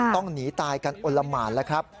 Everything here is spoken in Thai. ต้องหนีตายกันอลละหมานแล้วครับ